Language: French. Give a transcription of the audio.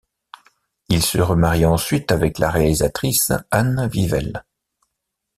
Il se remarie ensuite avec la réalisatrice Anne Wivel.